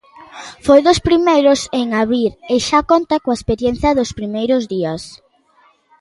Foi dos primeiros en abrir e xa conta coa experiencia do primeiros días.